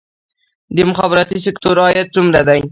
د مخابراتي سکتور عاید څومره دی؟